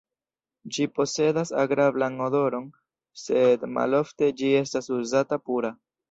Ĝi posedas agrablan odoron, sed malofte ĝi estas uzata pura.